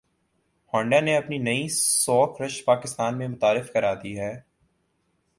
Honda نے اپنی نئی سوک رش پاکستان میں متعارف کرا دی ہے